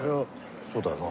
そうだよな。